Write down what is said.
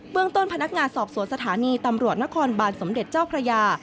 เมืองต้นพนักงานสอบสวนสถานีตำรวจนครบานสมเด็จเจ้าพระยา